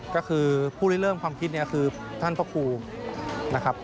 ก็คือผู้ที่เริ่มความคิดเนี่ยคือท่านพระครูนะครับ